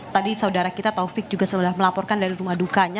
tadi saudara kita taufik juga sudah melaporkan dari rumah dukanya